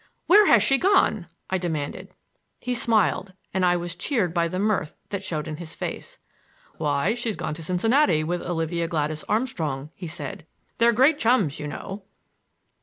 "Where has she gone?" I demanded. He smiled, and I was cheered by the mirth that showed in his face. "Why, she's gone to Cincinnati, with Olivia Gladys Armstrong," he said. "They're great chums, you know!"